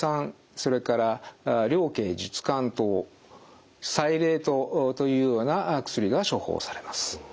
それから苓桂朮甘湯柴苓湯というような薬が処方されます。